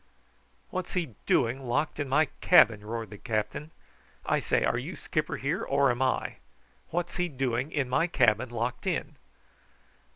"What's he doing locked in my cabin?" roared the captain. "I say, are you skipper here, or am I? What's he doing in my cabin locked in?"